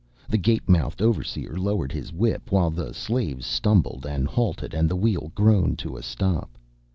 The gape mouthed overseer lowered his whip while the slaves stumbled and halted and the wheel groaned to a stop.